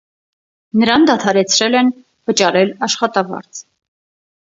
Նրան դադարեցրել են վճարել աշխատավարձ։